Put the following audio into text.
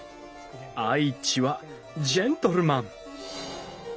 愛知はジェントルマン。